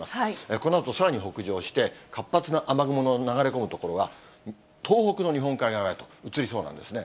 このあと、さらに北上して、活発な雨雲の流れ込む所が、東北の日本海側へと移りそうなんですね。